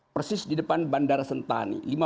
persis di depan bandara sentani